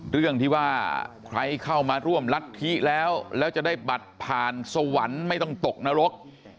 เรื่องที่ว่าใครเข้ามาร่วมรัฐธิแล้วแล้วจะได้บัตรผ่านสวรรค์ไม่ต้องตกนรก